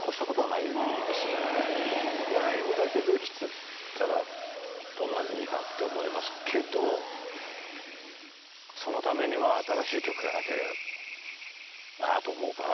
ライブだけできてたらどんなにいいかって思いますけどそのためには。と思うから。